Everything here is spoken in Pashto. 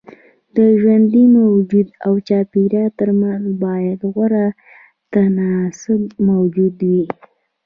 د ژوندي موجود او چاپيريال ترمنځ بايد غوره تناسب موجود وي.